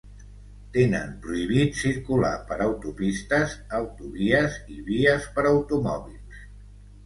Tenen prohibit circular per autopistes, autovies i vies per automòbils.